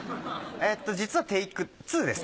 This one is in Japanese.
えっと実はテイク２です。